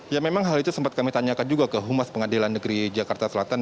ya memang hal itu sempat kami tanyakan juga ke humas pengadilan negeri jakarta selatan